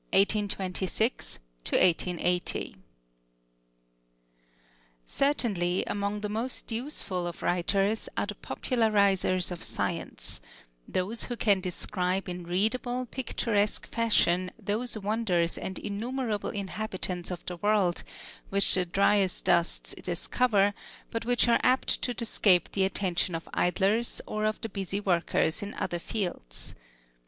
FRANCIS TREVELYAN BUCKLAND (1826 1880) Certainly, among the most useful of writers are the popularizers of science; those who can describe in readable, picturesque fashion those wonders and innumerable inhabitants of the world which the Dryasdusts discover, but which are apt to escape the attention of idlers or of the busy workers in other fields.